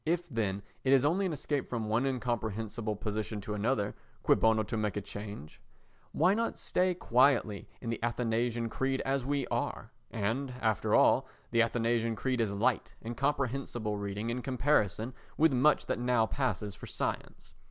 If, then, it is only an escape from one incomprehensible position to another, cui bono to make a change? Why not stay quietly in the Athanasian Creed as we are? And, after all, the Athanasian Creed is light and comprehensible reading in comparison with much that now passes for science.